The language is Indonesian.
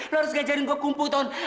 lo harus ngajarin gue kumpu tony